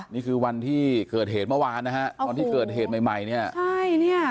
นี่คือวันที่เกิดเหตุเมื่อวานนะคะตอนที่เกิดเหตุใหม่เนี่ย